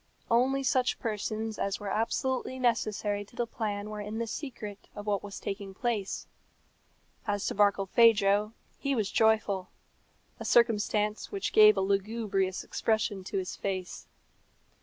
Only such persons as were absolutely necessary to the plan were in the secret of what was taking place. As to Barkilphedro, he was joyful a circumstance which gave a lugubrious expression to his face.